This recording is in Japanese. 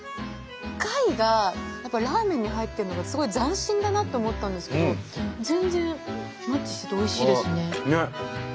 貝がやっぱラーメンに入ってるのがすごい斬新だなって思ったんですけど全然マッチしてておいしいですね。